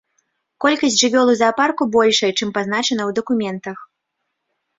Колькасць жывёл у заапарку большая, чым пазначана ў дакументах.